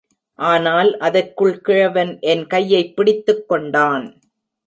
ஆனால் அதற்குள் கிழவன் என் கையைப் பிடித்துக் கொண்டான்.